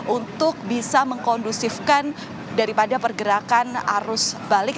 untuk bisa mengkondusifkan daripada pergerakan arus balik